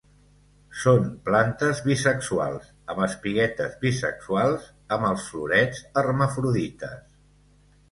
Són plantes bisexuals, amb espiguetes bisexuals; amb els florets hermafrodites.